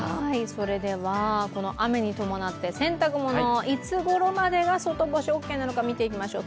それでは、この雨に伴って洗濯物、いつごろまでが外干しオーケーなのか、見ていきましょう。